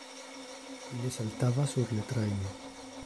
Ille saltava sur le traino.